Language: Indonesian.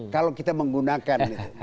kalau kita menggunakan